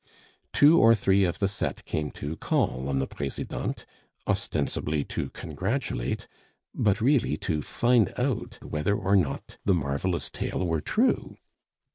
Two or three of the set came to call on the Presidente, ostensibly to congratulate, but really to find out whether or not the marvelous tale were true.